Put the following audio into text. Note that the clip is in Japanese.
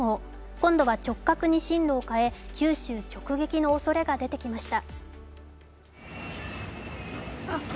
今度は直角に進路に変え九州直撃のおそれが出てきました。